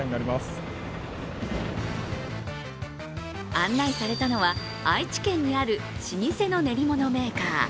案内されたのは、愛知県にある老舗の練り物メーカー。